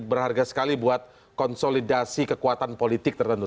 berharga sekali buat konsolidasi kekuatan politik tertentu